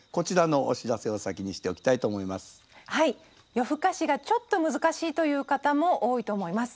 夜更かしがちょっと難しいという方も多いと思います。